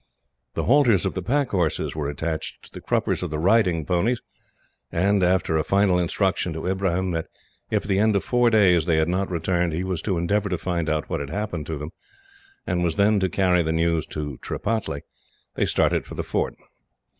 The halters of the pack horses were attached to the cruppers of the riding ponies, and after a final instruction to Ibrahim that if at the end of four days they had not returned, he was to endeavour to find out what had happened to them, and was then to carry the news to Tripataly, they started for the fort.